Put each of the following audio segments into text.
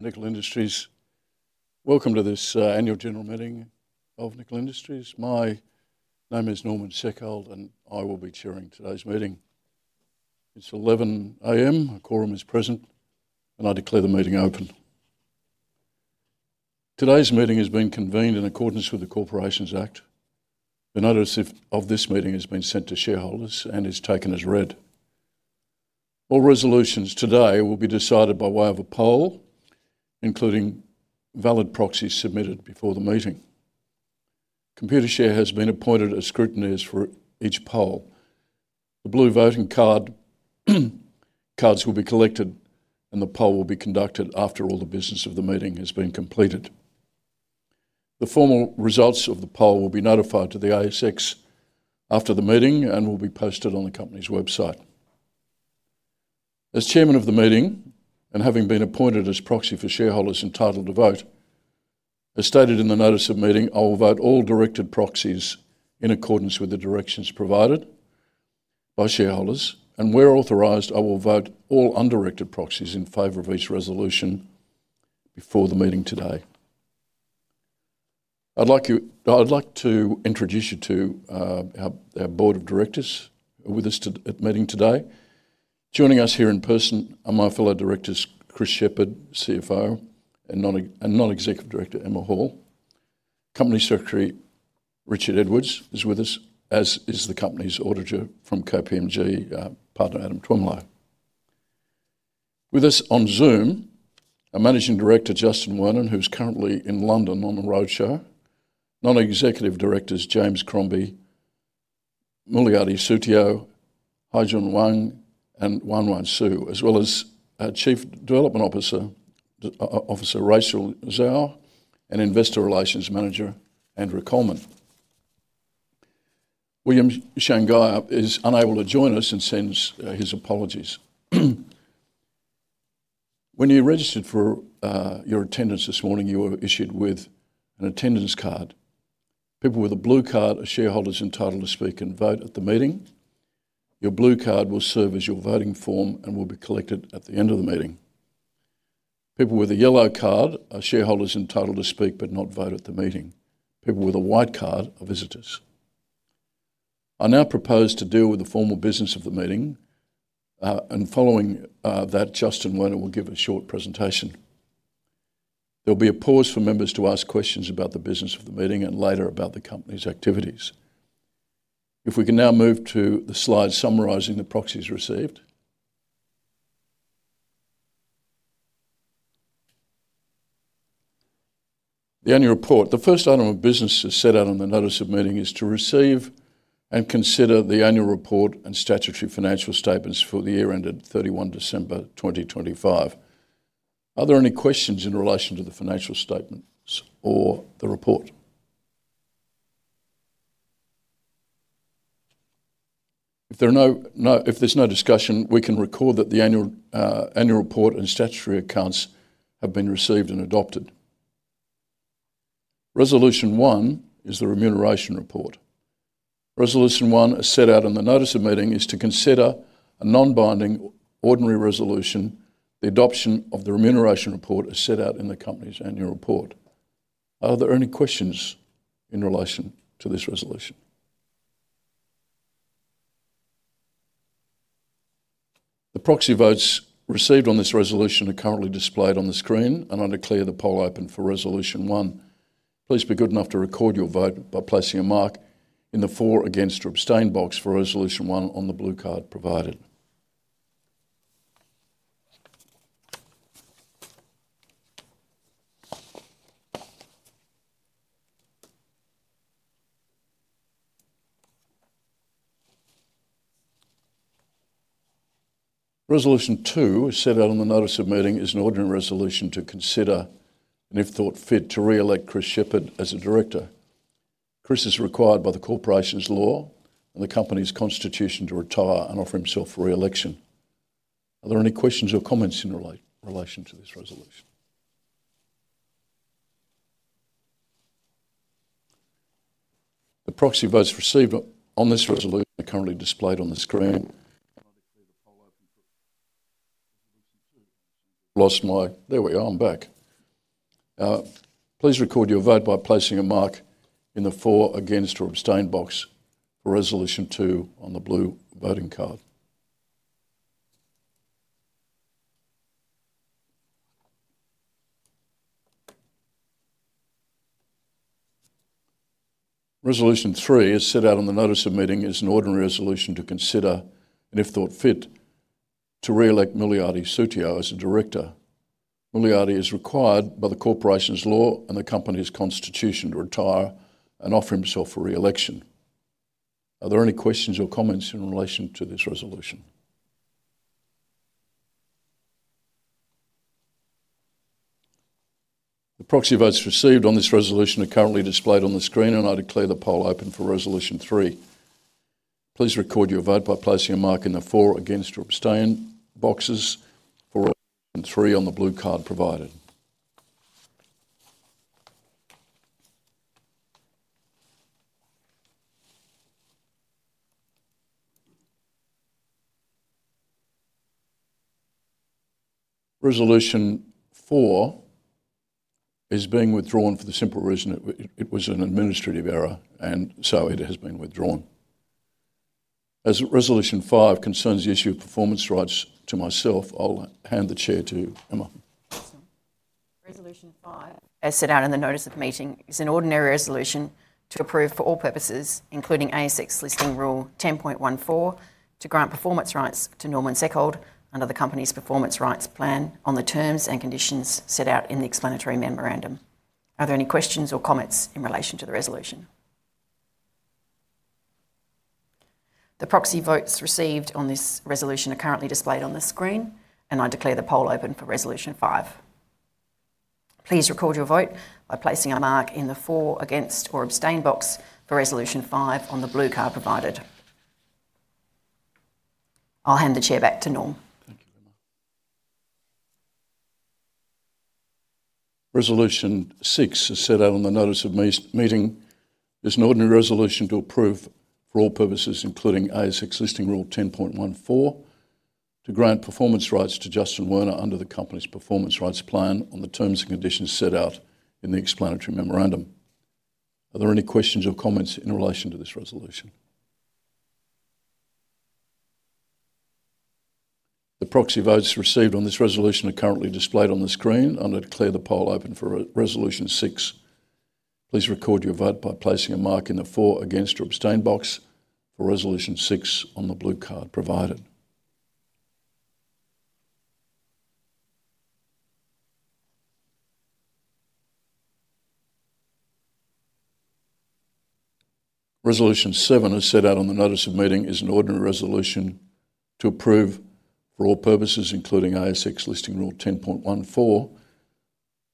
Nickel Industries. Welcome to this annual general meeting of Nickel Industries. My name is Norman Seckold, and I will be chairing today's meeting. It's 11:00 A.M. A quorum is present, and I declare the meeting open. Today's meeting has been convened in accordance with the Corporations Act. The notice of this meeting has been sent to shareholders and is taken as read. All resolutions today will be decided by way of a poll, including valid proxies submitted before the meeting. Computershare has been appointed as scrutineers for each poll. The blue voting cards will be collected, and the poll will be conducted after all the business of the meeting has been completed. The formal results of the poll will be notified to the ASX after the meeting and will be posted on the company's website. As chairman of the meeting, and having been appointed as proxy for shareholders entitled to vote, as stated in the notice of meeting, I will vote all directed proxies in accordance with the directions provided by shareholders, and where authorized, I will vote all undirected proxies in favor of each resolution before the meeting today. I'd like to introduce you to our board of directors who are with us at the meeting today. Joining us here in person are my fellow directors, Chris Shepherd, CFO, and Non-Executive Director, Emma Hall. Company Secretary, Richard Edwards, is with us, as is the company's auditor from KPMG, Partner Adam Twemlow. With us on Zoom, our Managing Director, Justin Werner, who's currently in London on a roadshow, non-executive directors James Crombie, Muliady Sutio, Haijun Wang, and Yuanyuan Xu, as well as our Chief Development Officer, Fanfan Zhao, and Investor Relations Manager, Andrew Coleman. William Shangjaya unable to join us and sends his apologies. When you registered for your attendance this morning, you were issued with an attendance card. People with a blue card are shareholders entitled to speak and vote at the meeting. Your blue card will serve as your voting form and will be collected at the end of the meeting. People with a yellow card are shareholders entitled to speak but not vote at the meeting. People with a white card are visitors. I now propose to deal with the formal business of the meeting, and following that, Justin Werner will give a short presentation. There'll be a pause for members to ask questions about the business of the meeting and later about the company's activities. If we can now move to the slide summarizing the proxies received. The annual report. The first item of business as set out in the notice of meeting is to receive and consider the annual report and statutory financial statements for the year ended 31 December 2025. Are there any questions in relation to the financial statements or the report? If there's no discussion, we can record that the annual report and statutory accounts have been received and adopted. Resolution one is the remuneration report. Resolution one, as set out in the notice of meeting, is to consider a non-binding ordinary resolution, the adoption of the remuneration report as set out in the company's annual report. Are there any questions in relation to this resolution? The proxy votes received on this resolution are currently displayed on the screen, and I declare the poll open for resolution one. Please be good enough to record your vote by placing a mark in the for, against, or abstain box for resolution one on the blue card provided. Resolution two, as set out in the notice of meeting, is an ordinary resolution to consider, and if thought fit, to re-elect Chris Shepherd as a director. Chris is required by the Corporations Act 2001 and the company's constitution to retire and offer himself for re-election. Are there any questions or comments in relation to this resolution? The proxy votes received on this resolution are currently displayed on the screen. There we are. I'm back. Please record your vote by placing a mark in the for, against, or abstain box for resolution two on the blue voting card. Resolution three, as set out in the notice of meeting, is an ordinary resolution to consider, and if thought fit, to re-elect Muliady Sutio as a director. Muliady is required by the corporations law and the company's constitution to retire and offer himself for re-election. Are there any questions or comments in relation to this resolution? The proxy votes received on this resolution are currently displayed on the screen, and I declare the poll open for resolution three. Please record your vote by placing a mark in the for, against, or abstain boxes for resolution three on the blue card provided. Resolution four is being withdrawn for the simple reason it was an administrative error. It has been withdrawn. As resolution five concerns the issue of performance rights to myself, I'll hand the chair to Emma. Resolution five, as set out in the notice of meeting, is an ordinary resolution to approve for all purposes, including ASX Listing Rule 10.14, to grant performance rights to Norman Seckold under the company's performance rights plan on the terms and conditions set out in the explanatory memorandum. Are there any questions or comments in relation to the resolution? The proxy votes received on this resolution are currently displayed on the screen, and I declare the poll open for resolution five. Please record your vote by placing a mark in the for, against, or abstain box for resolution five on the blue card provided. I'll hand the chair back to Norm. Thank you, Emma. Resolution six, as set out on the notice of meeting, is an ordinary resolution to approve for all purposes, including ASX Listing Rule 10.14, to grant performance rights to Justin Werner under the company's performance rights plan on the terms and conditions set out in the explanatory memorandum. Are there any questions or comments in relation to this resolution? The proxy votes received on this resolution are currently displayed on the screen, and I declare the poll open for resolution six. Please record your vote by placing a mark in the for, against, or abstain box for resolution six on the blue card provided. Resolution seven, as set out on the notice of meeting, is an ordinary resolution to approve for all purposes, including ASX Listing Rule 10.14,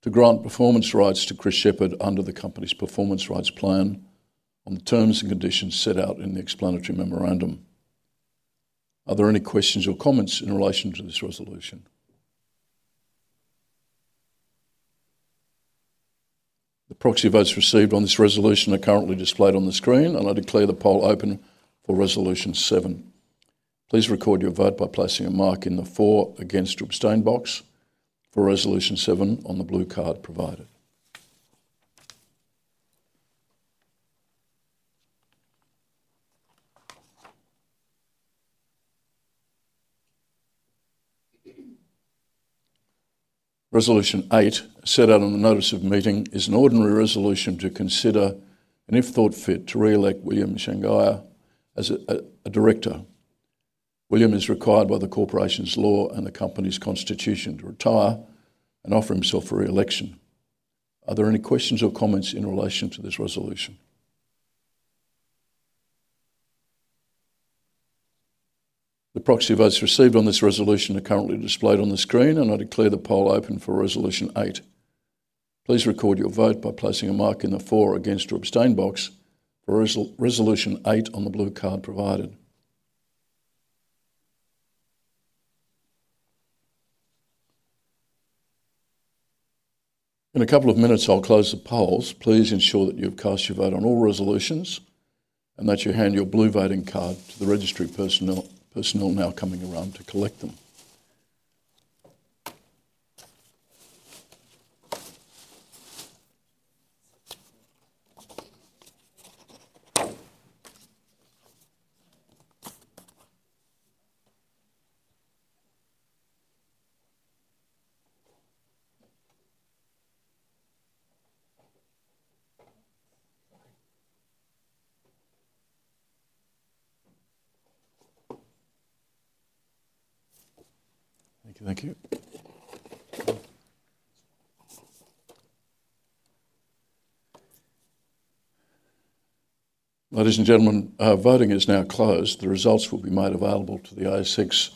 to grant performance rights to Chris Shepherd under the company's performance rights plan on the terms and conditions set out in the explanatory memorandum. Are there any questions or comments in relation to this resolution? The proxy votes received on this resolution are currently displayed on the screen, and I declare the poll open for resolution seven. Please record your vote by placing a mark in the for, against, or abstain box for resolution seven on the blue card provided. Resolution eight, as set out on the notice of meeting, is an ordinary resolution to consider and, if thought fit, to re-elect William Shangjaya as a director. William is required by the corporation's law and the company's constitution to retire and offer himself for re-election. Are there any questions or comments in relation to this resolution? The proxy votes received on this resolution are currently displayed on the screen, I declare the poll open for resolution 8. Please record your vote by placing a mark in the for, against, or abstain box for resolution eight on the blue card provided. In a couple of minutes, I'll close the polls. Please ensure that you've cast your vote on all resolutions and that you hand your blue voting card to the registry personnel now coming around to collect them. Thank you. Ladies and gentlemen, voting is now closed. The results will be made available to the ASX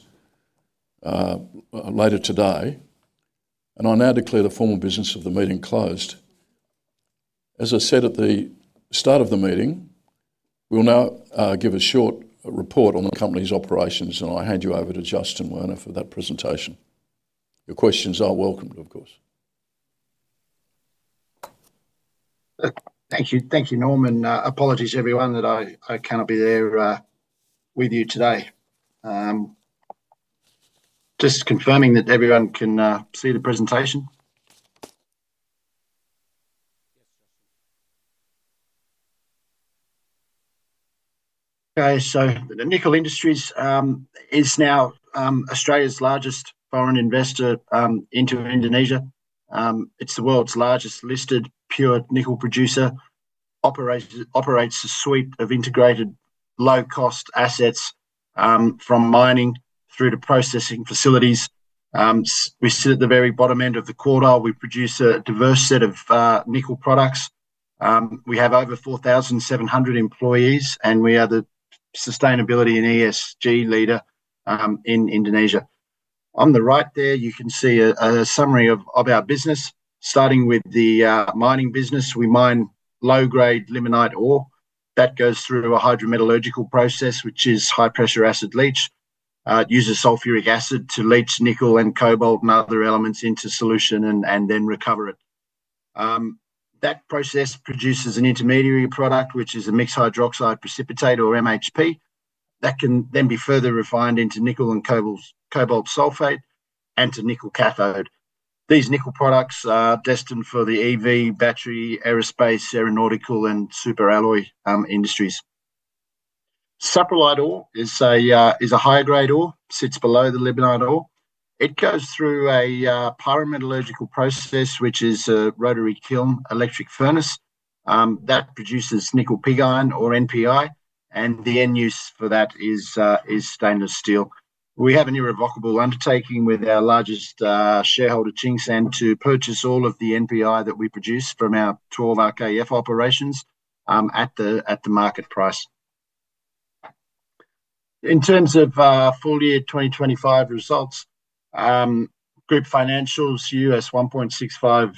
later today. I now declare the formal business of the meeting closed. As I said at the start of the meeting, we will now give a short report on the company's operations. I hand you over to Justin Werner for that presentation. Your questions are welcomed, of course. Thank you, Norm, and apologies everyone that I cannot be there with you today. Just confirming that everyone can see the presentation? Okay. The Nickel Industries is now Australia's largest foreign investor into Indonesia. It's the world's largest listed pure nickel producer. Operates a suite of integrated low-cost assets from mining through to processing facilities. We sit at the very bottom end of the quartile. We produce a diverse set of nickel products. We have over 4,700 employees, and we are the sustainability and ESG leader in Indonesia. On the right there, you can see a summary of our business, starting with the mining business. We mine low-grade limonite ore. That goes through a hydrometallurgical process, which is high-pressure acid leach. It uses sulfuric acid to leach nickel and cobalt and other elements into solution and then recover it. That process produces an intermediary product, which is a mixed hydroxide precipitate or MHP. That can then be further refined into nickel and cobalt sulfate and to nickel cathode. These nickel products are destined for the EV, battery, aerospace, aeronautical, and super alloy industries. Saprolite ore is a high-grade ore, sits below the laterite ore. It goes through a pyrometallurgical process, which is a Rotary Kiln Electric Furnace that produces nickel pig iron or NPI, and the end use for that is stainless steel. We have an irrevocable undertaking with our largest shareholder, Tsingshan, to purchase all of the NPI that we produce from our 12 RKEF operations at the market price. In terms of our full year 2025 results, group financials, $1.65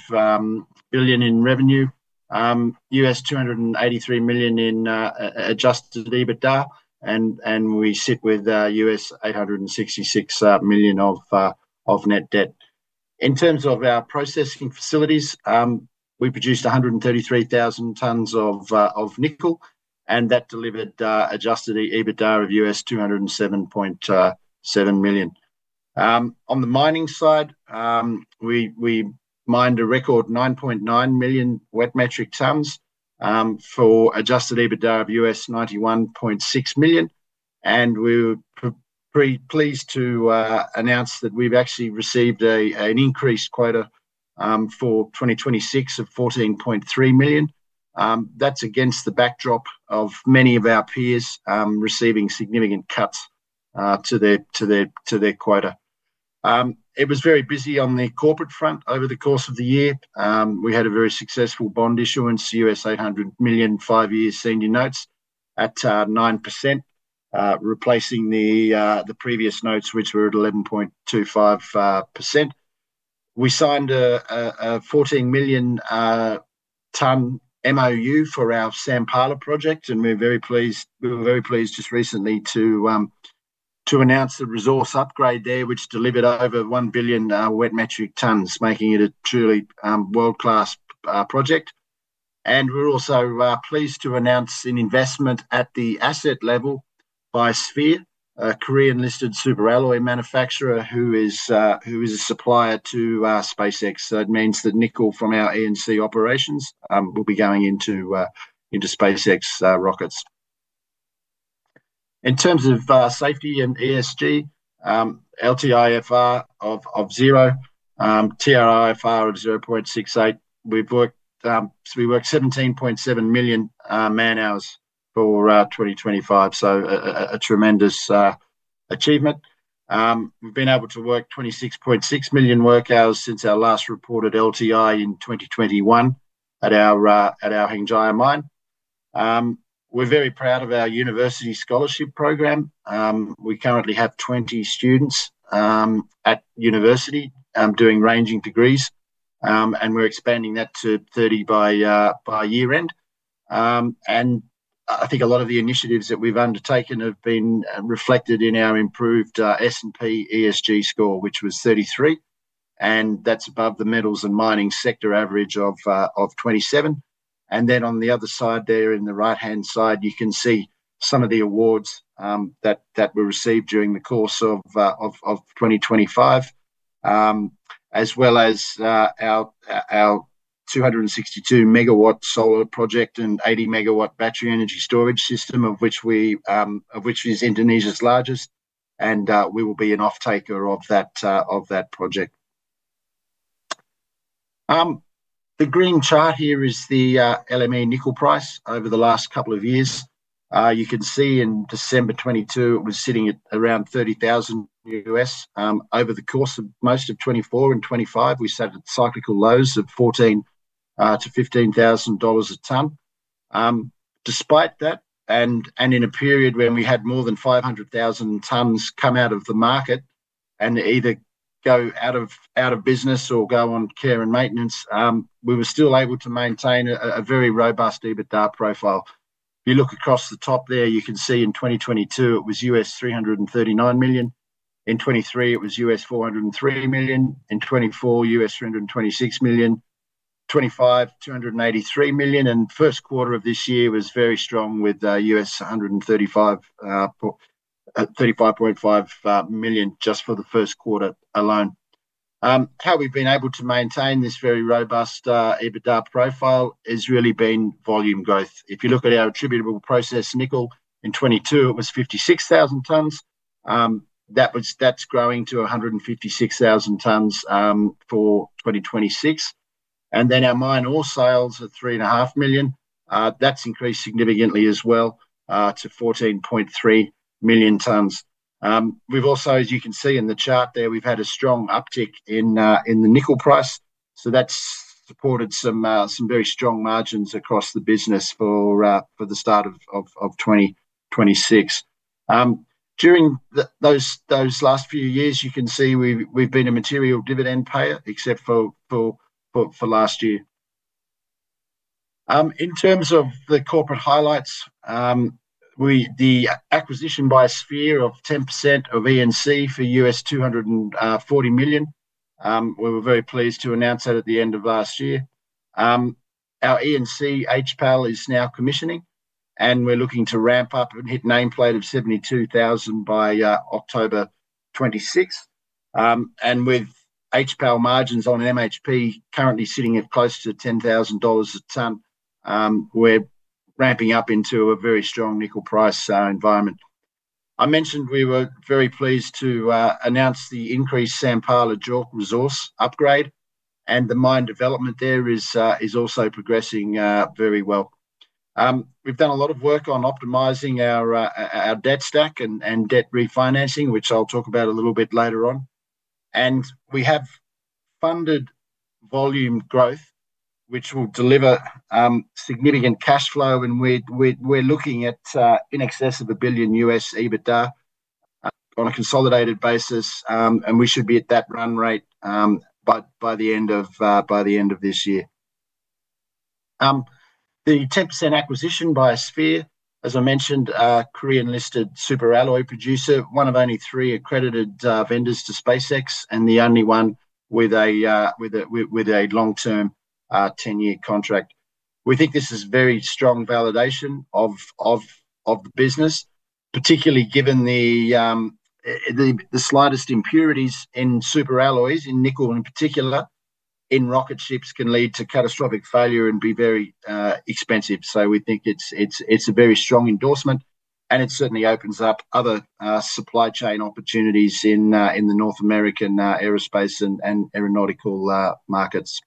billion in revenue, $283 million in adjusted EBITDA, and we sit with $866 million of net debt. In terms of our processing facilities, we produced 133,000 tons of nickel, and that delivered adjusted EBITDA of $207.7 million. On the mining side, we mined a record 9.9 million wet metric tonnes for adjusted EBITDA of $91.6 million, and we're pretty pleased to announce that we've actually received an increased quota for 2026 of 14.3 million. That's against the backdrop of many of our peers receiving significant cuts to their quota. It was very busy on the corporate front over the course of the year. We had a very successful bond issuance, $800 million, five years senior notes at 9%, replacing the previous notes, which were at 11.25%. We signed a 14 million tonne MOU for our Sampala Project, and we were very pleased just recently to announce the resource upgrade there, which delivered over one billion wet metric tonnes, making it a truly world-class project. We're also pleased to announce an investment at the asset level by Sphere, a Korean-listed super alloy manufacturer who is a supplier to SpaceX. It means that nickel from our ENC operations will be going into SpaceX rockets. In terms of safety and ESG, LTIFR of zero, TRIFR of 0.68. We worked 17.7 million man-hours for 2025, so a tremendous achievement. We've been able to work 26.6 million work hours since our last reported LTI in 2021 at our Hengjaya Mine. We're very proud of our university scholarship program. We currently have 20 students at university doing ranging degrees, and we're expanding that to 30 by year-end. I think a lot of the initiatives that we've undertaken have been reflected in our improved S&P ESG score, which was 33, and that's above the metals and mining sector average of 27. On the other side there, in the right-hand side, you can see some of the awards that were received during the course of 2025, as well as our 262-megawatt solar project and 80-megawatt battery energy storage system, of which is Indonesia's largest, and we will be an offtaker of that project. The green chart here is the LME nickel price over the last couple of years. You can see in December 2022, it was sitting at around $30,000. Over the course of most of 2024 and 2025, we sat at cyclical lows of $14,000-$15,000 a tonne. Despite that, in a period when we had more than 500,000 tonnes come out of the market and either go out of business or go on care and maintenance, we were still able to maintain a very robust EBITDA profile. You look across the top there, you can see in 2022, it was $339 million. 2023, it was $403 million. 2024, $326 million. 2025, $283 million. First quarter of this year was very strong with $135.5 million just for the first quarter alone. How we've been able to maintain this very robust EBITDA profile has really been volume growth. You look at our attributable processed nickel, in 2022, it was 56,000 tonnes. That's growing to 156,000 tonnes for 2026. Our mine ore sales at 3.5 million, that's increased significantly as well to 14.3 million tonnes. We've also, as you can see in the chart there, we've had a strong uptick in the nickel price. That's supported some very strong margins across the business for the start of 2026. During those last few years, you can see we've been a material dividend payer except for last year. In terms of the corporate highlights, the acquisition by Sphere of 10% of ENC for $240 million. We were very pleased to announce that at the end of last year. Our ENC HPAL is now commissioning, and we're looking to ramp up and hit nameplate of 72,000 by October 26th. With HPAL margins on MHP currently sitting at close to $10,000 a ton, we're ramping up into a very strong nickel price environment. I mentioned we were very pleased to announce the increased Sampala Project resource upgrade and the mine development there is also progressing very well. We've done a lot of work on optimizing our debt stack and debt refinancing, which I'll talk about a little bit later on. We have funded volume growth, which will deliver significant cash flow and we're looking at in excess of $1 billion EBITDA on a consolidated basis. We should be at that run rate by the end of this year. The 10% acquisition by Sphere, as I mentioned, a Korean-listed superalloy producer, one of only three accredited vendors to SpaceX, and the only one with a long-term, 10-year contract. We think this is very strong validation of the business, particularly given the slightest impurities in superalloys, in nickel and in particular, in rocket ships can lead to catastrophic failure and be very expensive. We think it's a very strong endorsement and it certainly opens up other supply chain opportunities in the North American Aerospace and aeronautical markets.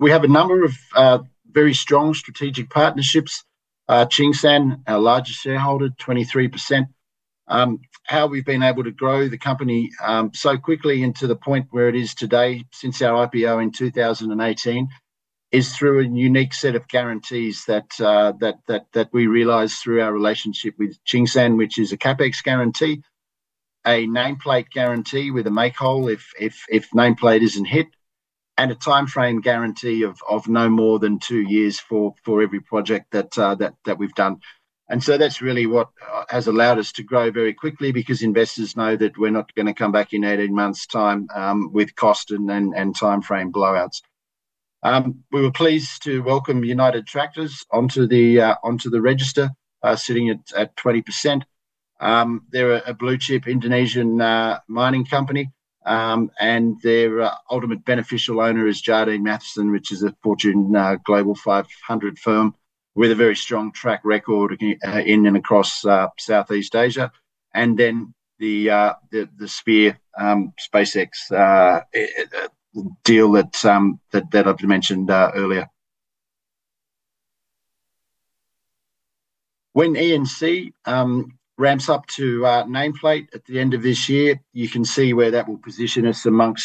We have a number of very strong strategic partnerships. Tsingshan, our largest shareholder, 23%. How we've been able to grow the company so quickly and to the point where it is today since our IPO in 2018, is through a unique set of guarantees that we realize through our relationship with Tsingshan which is a CapEx guarantee, a nameplate guarantee with a make whole if nameplate isn't hit, and a timeframe guarantee of no more than two years for every project that we've done. So that's really what has allowed us to grow very quickly because investors know that we're not going to come back in 18 months time with cost and timeframe blowouts. We were pleased to welcome United Tractors onto the register, sitting at 20%. They're a blue-chip Indonesian mining company. Their ultimate beneficial owner is Jardine Matheson, which is a Fortune Global 500 firm with a very strong track record in and across Southeast Asia. The Sphere, SpaceX deal that I've mentioned earlier. When ENC ramps up to nameplate at the end of this year, you can see where that will position us among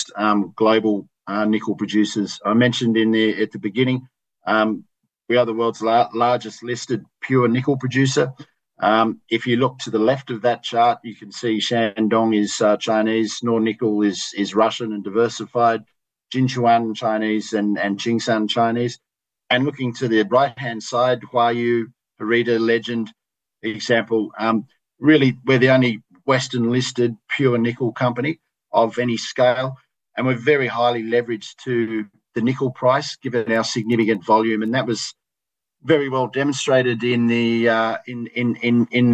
global nickel producers. I mentioned at the beginning, we are the world's largest listed pure nickel producer. If you look to the left of that chart, you can see Shandong is Chinese, Nornickel is Russian and diversified, Jinchuan, Chinese, and Tsingshan, Chinese. Looking to the right-hand side, Huayou, Harita, Lygend. Really we're the only Western-listed pure nickel company of any scale, and we're very highly leveraged to the nickel price given our significant volume. That was very well demonstrated in the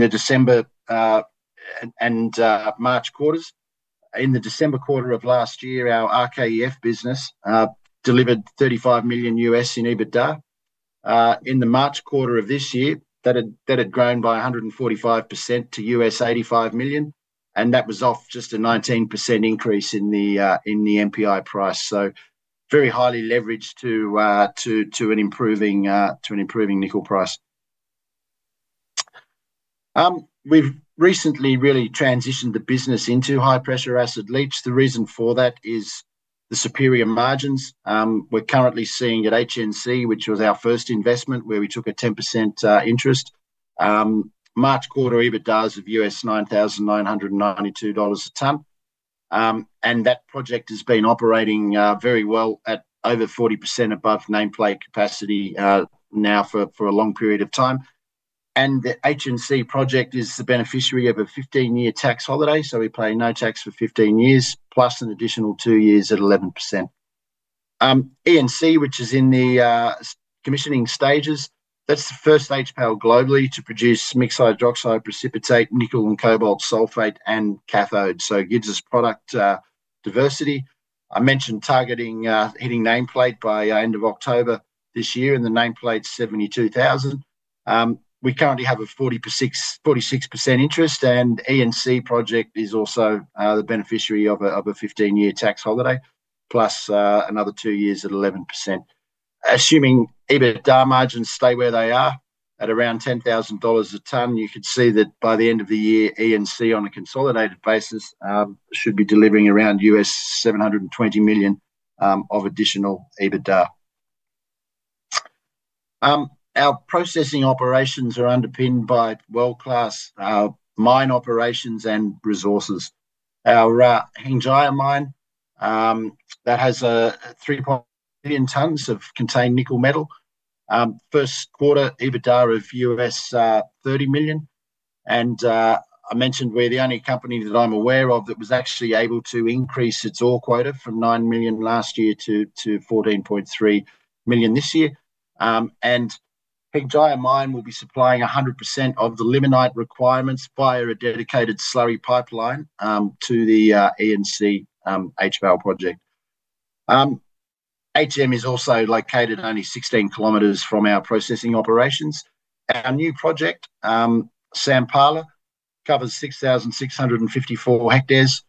December and March quarters. In the December quarter of last year, our RKEF business delivered $35 million in EBITDA. In the March quarter of this year, that had grown by 145% to $85 million, and that was off just a 19% increase in the NPI price. Very highly leveraged to an improving nickel price. We've recently really transitioned the business into high-pressure acid leach. The reason for that is the superior margins. We're currently seeing at HNC, which was our first investment where we took a 10% interest. March quarter EBITDA of $9,992 a ton. That project has been operating very well at over 40% above nameplate capacity now for a long period of time. The HNC project is the beneficiary of a 15-year tax holiday, so we pay no tax for 15 years, plus an additional two years at 11%. ENC, which is in the commissioning stages, that's the first HPAL globally to produce mixed hydroxide precipitate, nickel and cobalt sulfate and cathodes. It gives us product diversity. I mentioned targeting hitting nameplate by end of October this year and the nameplate's 72,000. We currently have a 46% interest and ENC project is also the beneficiary of a 15-year tax holiday plus another two years at 11%. Assuming EBITDA margins stay where they are at around $10,000 a ton, you could see that by the end of the year, ENC on a consolidated basis should be delivering around $720 million of additional EBITDA. Our processing operations are underpinned by world-class mine operations and resources. Our Hengjaya Mine, that has three million tonnes of contained nickel metal. First quarter, EBITDA of $30 million. I mentioned we're the only company that I'm aware of that was actually able to increase its ore quota from nine million last year to 14.3 million this year. Hengjaya Mine will be supplying 100% of the limonite requirements via a dedicated slurry pipeline to the ENC HPAL project. HM is also located only 16 kilometers from our processing operations. Our new project, Sampala, covers 6,654 hectares.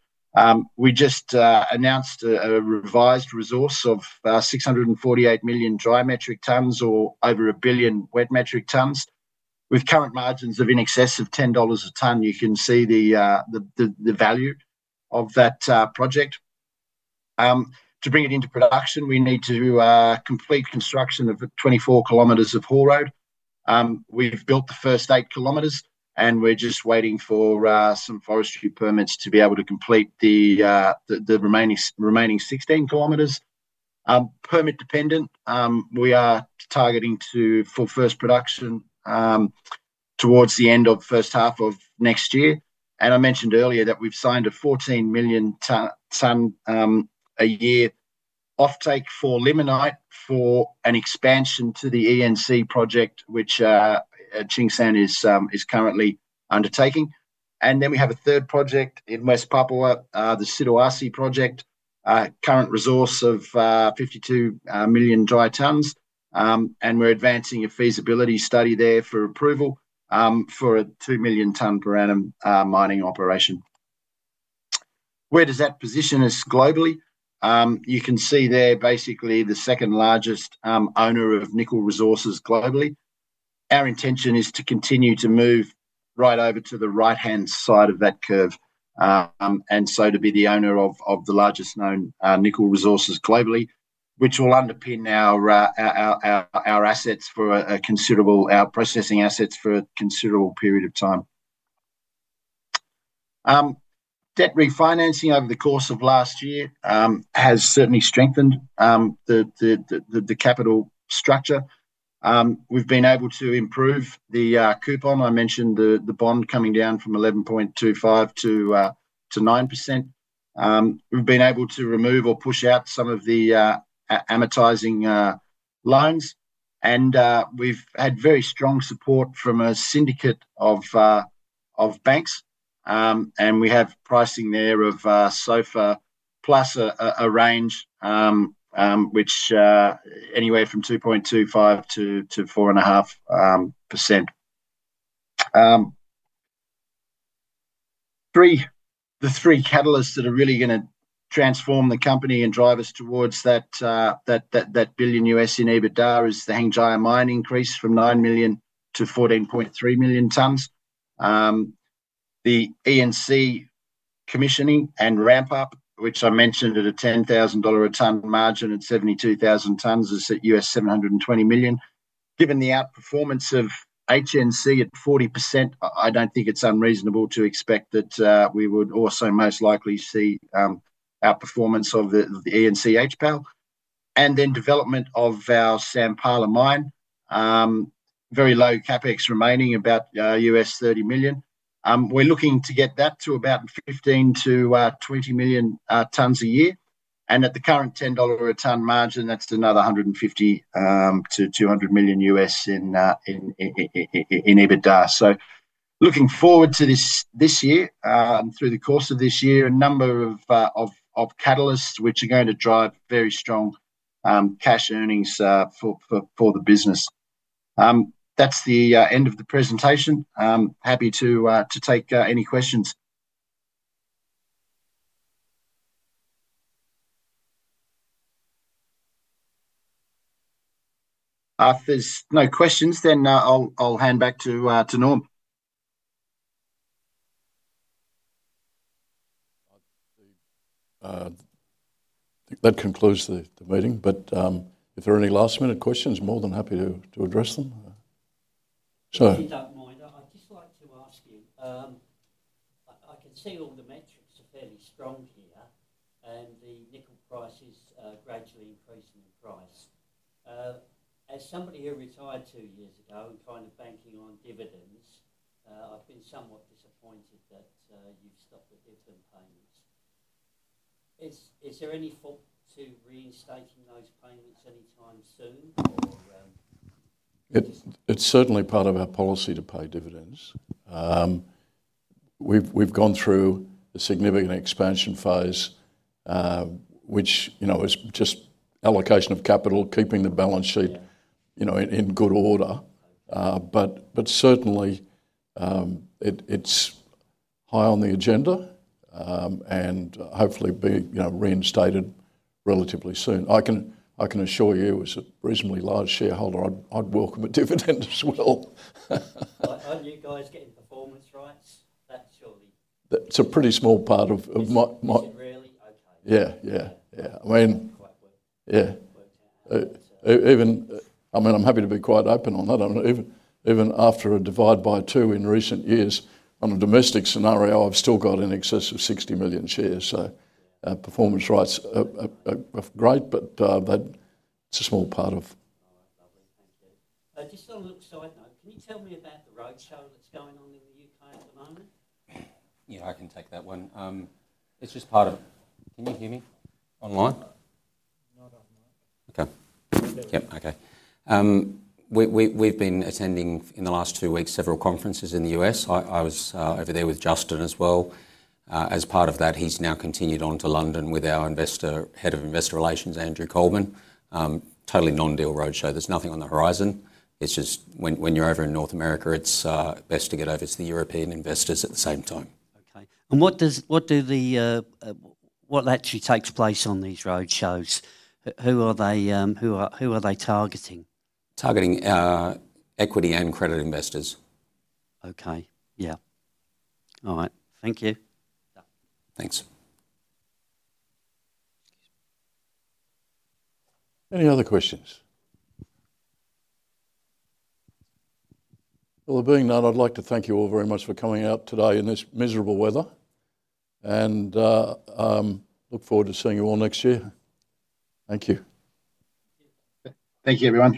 We just announced a revised resource of 648 million dry metric tons or over one billion wet metric tons. With current margins of in excess of $10 a ton, you can see the value of that project. To bring it into production, we need to complete construction of 24 kilometers of haul road. We've built the first eight kilometers and we're just waiting for some forestry permits to be able to complete the remaining 16 kilometers. Permit dependent, we are targeting to full first production towards the end of first half of next year. I mentioned earlier that we've signed a 14 million tonne a year offtake for limonite for an expansion to the ENC project, which Tsingshan is currently undertaking. We have a third project in West Papua, the Siduarsi project. Current resource of 52 million dry tonnes, and we're advancing a feasibility study there for approval for a two million tonne per annum mining operation. Where does that position us globally? You can see there, basically the second-largest owner of nickel resources globally. Our intention is to continue to move right over to the right-hand side of that curve, and so to be the owner of the largest known nickel resources globally, which will underpin our assets for a considerable, our processing assets for a considerable period of time. Debt refinancing over the course of last year has certainly strengthened the capital structure. We've been able to improve the coupon. I mentioned the bond coming down from 11.25 to 9%. We've been able to remove or push out some of the amortizing loans. We've had very strong support from a syndicate of banks. We have pricing there of SOFR plus a range which anywhere from 2.25%-4.5%. The three catalysts that are really going to transform the company and drive us towards that $1 billion in EBITDA is the Hengjaya Mine increase from 9 million to 14.3 million tonnes. The ENC commissioning and ramp-up, which I mentioned at a $10,000 a tonne margin at 72,000 tonnes is at $720 million. Given the outperformance of Huayue Nickel Cobalt at 40%, I don't think it's unreasonable to expect that we would also most likely see outperformance of the ENC HPAL. Then development of our Sampala mine. Very low CapEx remaining, about $30 million. We're looking to get that to about 15 million-20 million tonnes a year. At the current $10 a tonne margin, that's another $150 million-$200 million in EBITDA. Looking forward to this year, through the course of this year, a number of catalysts which are going to drive very strong cash earnings for the business. That's the end of the presentation. Happy to take any questions. If there's no questions, I'll hand back to Norm. That concludes the meeting, but if there are any last-minute questions, more than happy to address them. Sure. If you don't mind, I'd just like to ask you. I can see all the metrics are fairly strong here. The nickel price is gradually increasing in price. As somebody who retired two years ago and kind of banking on dividends, I've been somewhat disappointed that you've stopped the dividend payments. Is there any thought to reinstating those payments anytime soon? It's certainly part of our policy to pay dividends. We've gone through a significant expansion phase, which is just allocation of capital. Yeah In good order. Certainly, it's high on the agenda, and hopefully be reinstated relatively soon. I can assure you, as a reasonably large shareholder, I'd welcome a dividend as well. Are you guys getting performance rights? It's a pretty small part of my- Is it really? Okay. Yeah. Yeah. Quite worked out. Yeah. I mean, I'm happy to be quite open on that. Even after a divide by two in recent years on a domestic scenario, I've still got in excess of 60 million shares. Performance rights are great. All right, lovely. Thank you. Just on a little side note, can you tell me about the roadshow that's going on in the U.K. at the moment? Yeah, I can take that one. Can you hear me online? Okay. Yep, okay. We've been attending in the last two weeks, several conferences in the U.S. I was over there with Justin as well. As part of that, he's now continued on to London with our head of investor relations, Andrew Coleman. Totally non-deal roadshow. There's nothing on the horizon. It's just when you're over in North America, it's best to get over to the European investors at the same time. Okay. What actually takes place on these roadshows? Who are they targeting? Targeting equity and credit investors. Okay. Yeah. All right. Thank you. Thanks. Any other questions? Well, there being none, I'd like to thank you all very much for coming out today in this miserable weather. Look forward to seeing you all next year. Thank you. Thank you, everyone.